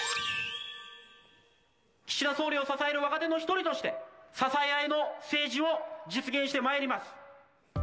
岸田総理を支える若手の一人として、支え合いの政治を実現してまいります。